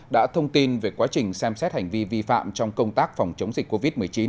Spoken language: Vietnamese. đã thông tin về quá trình xem xét hành vi vi phạm trong công tác phòng chống dịch covid một mươi chín